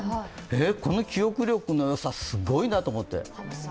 この記憶力のよさ、すごいなと思って。